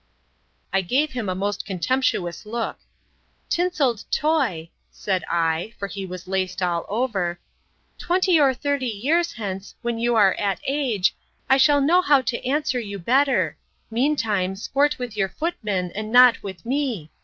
I gave him a most contemptuous look: Tinselled toy, said I, (for he was laced all over), twenty or thirty years hence, when you are at age, I shall know how to answer you better; mean time, sport with your footman, and not with me!